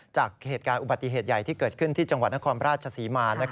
จากอุบัติเหตุใหญ่ที่เกิดขึ้นที่จังหวัดนครพระราชสีมาน